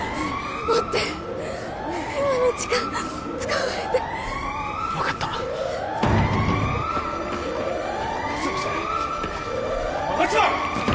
追って今の痴漢捕まえて分かったすいません吾妻！